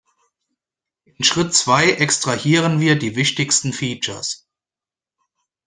In Schritt zwei extrahieren wir die wichtigsten Features.